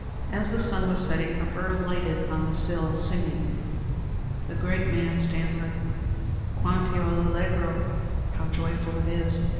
As the sun was setting, a bird alighted on the sill, singing. The great man stammered, "Quanti o allegro!" How joyful it is!